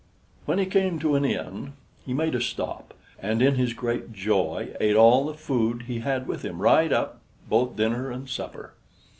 When he came to an inn, he made a stop, and in his great joy ate all the food he had with him right up, both dinner and supper.